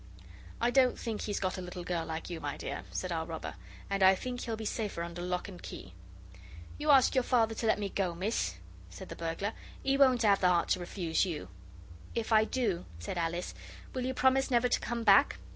'I don't think he's got a little girl like you, my dear,' said our robber, 'and I think he'll be safer under lock and key.' 'You ask yer Father to let me go, miss,' said the burglar; ''e won't 'ave the 'art to refuse you.' 'If I do,' said Alice, 'will you promise never to come back?